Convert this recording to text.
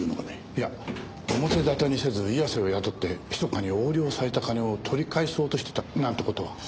いや表立てにせず岩瀬を雇ってひそかに横領された金を取り返そうとしてたなんて事は？